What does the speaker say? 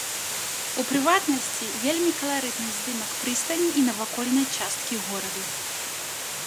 У прыватнасці, вельмі каларытны здымак прыстані і навакольнай часткі гораду.